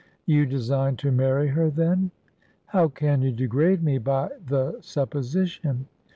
"You design to marry her, then?" "How can you degrade me by the supposition?"